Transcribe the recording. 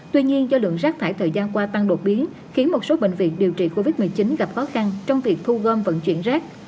tuy nhiên do lượng rác thải thời gian qua tăng đột biến khiến một số bệnh viện điều trị covid một mươi chín gặp khó khăn trong việc thu gom vận chuyển rác